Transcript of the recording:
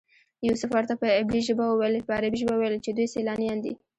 یوسف ورته په عبري ژبه وویل چې دوی سیلانیان دي.